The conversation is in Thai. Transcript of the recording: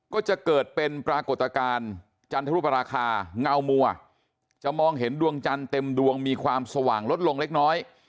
ก็จะเกิดเป็นปรากฏการณ์จันทรุปราคาเงามัวจะมองเห็นดวงจันทร์เต็มดวงมีความสว่างลดลงเล็กน้อย